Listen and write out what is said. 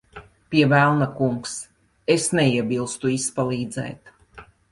Pie velna, kungs. Es neiebilstu izpalīdzēt.